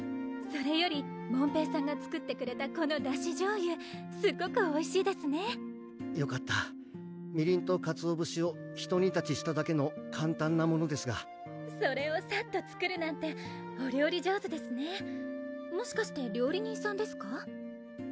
それより門平さんが作ってくれたこのだしじょうゆすっごくおいしいですねよかったみりんとかつお節をひと煮立ちしただけの簡単なものですがそれをさっと作るなんてお料理上手ですねもしかして料理人さんですか？